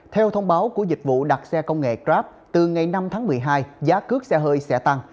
theo thông báo của dịch vụ đặt xe công nghệ grab từ ngày năm tháng một mươi hai giá cước xe hơi sẽ tăng